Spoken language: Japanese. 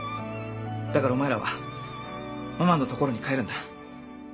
だからお前らはママのところに帰るんだ。